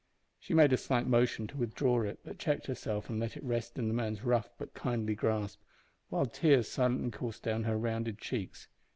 She made a slight motion to withdraw it, but checked herself and let it rest in the man's rough but kindly grasp, while tears silently coursed down her rounded cheeks.